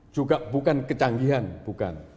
juga bukan kecanggihan bukan